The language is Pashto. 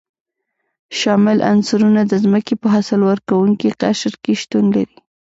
شامل عنصرونه د ځمکې په حاصل ورکوونکي قشر کې شتون لري.